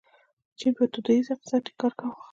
چین په دودیز اقتصاد ټینګار کاوه.